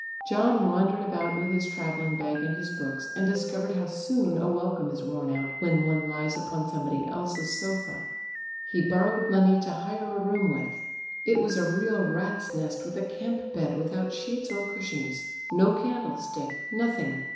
John wandered about with his travelling bag and his books, and discovered how soon a welcome is worn out when one lies upon somebody else's sofa. He borrowed money to hire a room with. It was a real rats' nest with a camp bed without sheets or cushions. No candlestick, nothing.